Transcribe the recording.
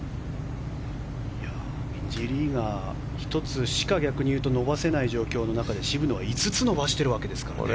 ミンジー・リーが１つしか逆に言うと伸ばせない中で渋野は５つ伸ばしているわけですからね。